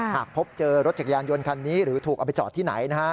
หากพบเจอรถจักรยานยนต์คันนี้หรือถูกเอาไปจอดที่ไหนนะฮะ